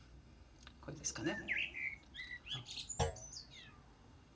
こうですかね。